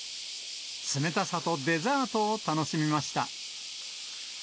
冷たさとデザートを楽しみました。